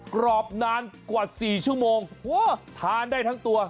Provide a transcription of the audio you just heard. กรอบนานกว่า๔ชั่วโมงทานได้ทั้งตัว